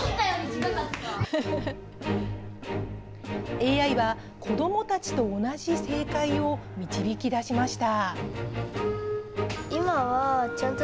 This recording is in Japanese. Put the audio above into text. ＡＩは子どもたちと同じ正解を導き出しました。